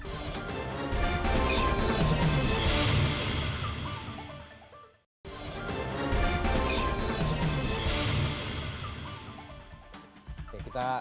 terima kasih pak farid